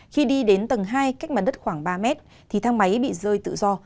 khi đi đến tầng hai cách mặt đất khoảng ba mét thì thang máy bị rơi tự do